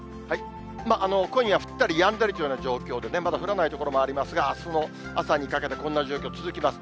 今夜降ったりやんだりというような状況で、まだ降らない所もありますが、あすの朝にかけて、こんな状況、続きます。